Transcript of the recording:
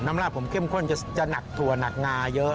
ราดผมเข้มข้นจะหนักถั่วหนักงาเยอะ